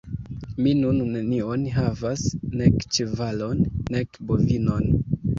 Mi nun nenion havas, nek ĉevalon, nek bovinon.